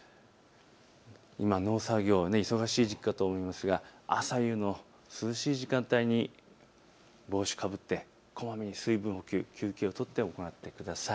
今、農作業忙しい時期かと思いますが朝夕の涼しい時間帯に帽子をかぶってこまめに水分補給、休憩を取って行ってください。